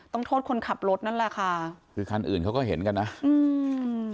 โทษคนขับรถนั่นแหละค่ะคือคันอื่นเขาก็เห็นกันนะอืม